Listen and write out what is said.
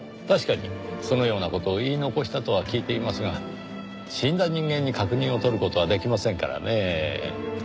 確かにそのような事を言い残したとは聞いていますが死んだ人間に確認を取る事はできませんからねぇ。